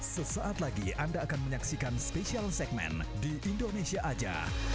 sesaat lagi anda akan menyaksikan spesial segmen di indonesia aja